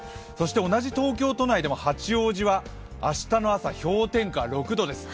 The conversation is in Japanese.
同じ東京都内でも八王子は明日の朝、氷点下６度です。